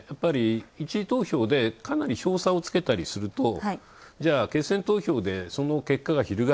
一次投票でかなり票差をつけたりするとじゃあ、決選投票で、その結果が翻る。